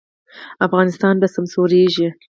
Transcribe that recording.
افغانستان به سمسوریږي